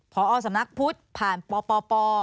พอสำนักพุทธผ่านปป